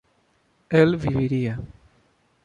él viviría